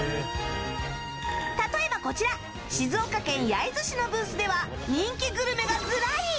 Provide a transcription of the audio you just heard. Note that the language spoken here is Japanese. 例えば、こちら静岡県焼津市のブースでは人気グルメがずらり！